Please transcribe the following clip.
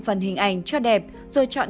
phần hình ảnh cho đẹp rồi chọn